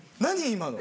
今の。